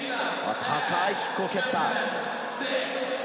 高いキックを蹴った。